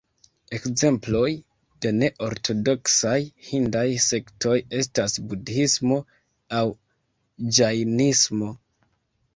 Ekzemploj de ne-ortodoksaj hindaj sektoj estas Budhismo aŭ Ĝajnismo.